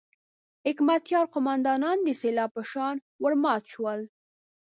حکمتیار قوماندانان د سېلاب په شان ورمات شول.